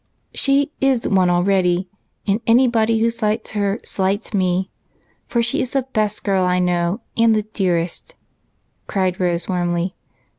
"She is one already, and anybody who slights her slights me, for she is the best girl I know and the dearest," cried Rose warmly.